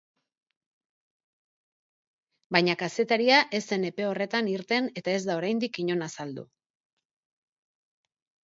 Baina kazetaria ez zen epe horretan irten eta ez da oraindik inon azaldu.